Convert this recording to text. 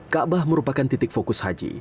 kaabah merupakan titik fokus haji